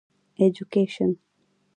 ايجوکيشن